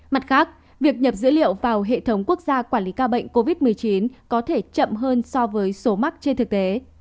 mặt khác việc nhập dữ liệu vào hệ thống quốc gia quản lý ca bệnh covid một mươi chín có thể chậm hơn so với số mắc trên thực tế